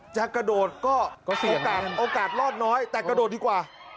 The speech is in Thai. จะกระโดดก็โอกาสลอดน้อยแต่กระโดดดีกว่า